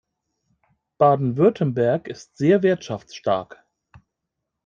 Baden-Württemberg ist sehr wirtschaftsstark.